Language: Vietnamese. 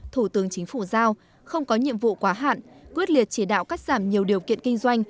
thủ tướng chính phủ giao không có nhiệm vụ quá hạn quyết liệt chỉ đạo cắt giảm nhiều điều kiện kinh doanh